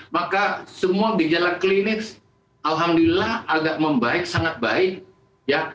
maka semua gejala klinis alhamdulillah agak membaik sangat banyak